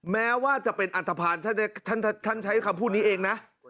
แม้ว่าจะเป็นอันทภาณท่านใช้คำพูดนี้เองนะ